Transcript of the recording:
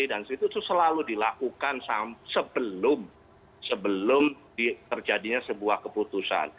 dan itu selalu dilakukan sebelum terjadinya sebuah keputusan